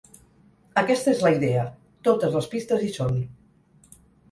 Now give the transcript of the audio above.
Aquesta és la idea; totes les pistes hi són.